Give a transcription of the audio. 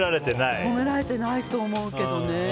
褒められてないと思うけどね。